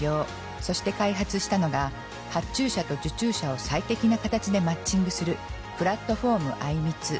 そして開発したのが発注者と受注者を最適な形でマッチングするプラットフォームアイミツ。